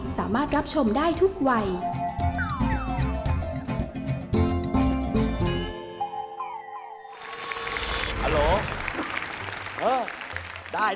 สามารถรับชมได้ทุกวัย